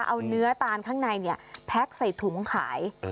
เอาเนื้อตาลข้างในแพ็คใส่ถุงขาย